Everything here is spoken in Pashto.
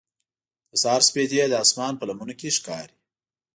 د سهار سپېدې د اسمان په لمنو کې ښکاري.